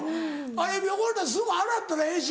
あれ汚れたらすぐ洗ったらええし